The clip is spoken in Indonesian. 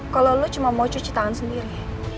kalo lo cuma mau cuci tangan sendiri